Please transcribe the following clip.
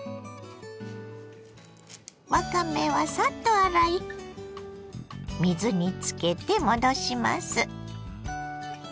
わかめはサッと洗い水につけて戻します。